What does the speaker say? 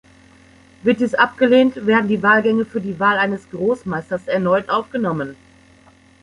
Wird dies abgelehnt, werden die Wahlgänge für die Wahl eines Großmeisters erneut aufgenommen.